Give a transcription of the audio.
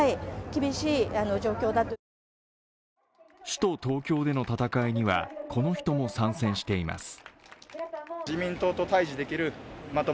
首都東京での戦いには、この人も参戦しています。